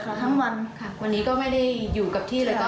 ทั้งวันค่ะวันนี้ก็ไม่ได้อยู่กับที่เลยก็